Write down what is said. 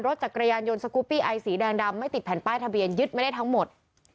รถจักรยานยนต์สกูปปี้ไอสีแดงดำไม่ติดแผ่นป้ายทะเบียนยึดไม่ได้ทั้งหมด